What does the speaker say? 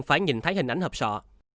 phải nhìn thấy hình ảnh hợp sọ